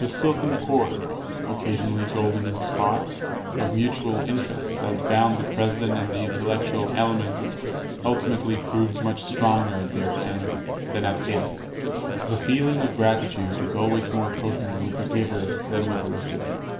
The silken cord (occasionally golden in spots) of mutual interest that bound the President and the intellectual element ultimately proved much stronger at their end that at his. The feeling of gratitude is always more potent with the giver than with the recipient.